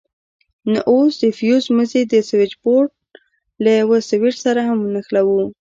نو اوس د فيوز مزي د سوېچبورډ له يوه سوېچ سره هم نښلوو.